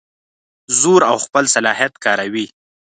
زور او خپل صلاحیت کاروي.